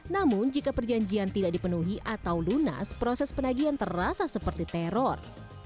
namun jika perjanjian tidak dipenuhi atau lunas proses penagihan terasa seperti teror